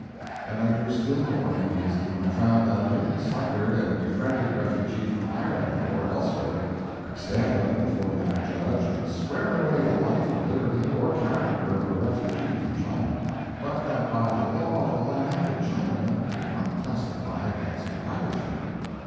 And I grew still more uneasy, when I found that any succored and befriended refugee from Ireland or elsewhere could stand up before that judge and swear away the life or liberty or character of a refugee from China; but that by the law of the land the Chinaman could not testify against the Irishman.